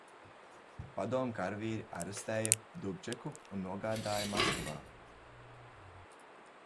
Padomju karavīri arestēja Dubčeku un nogādāja Maskavā.